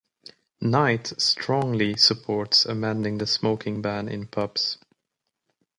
Knight strongly supports amending the smoking ban in pubs.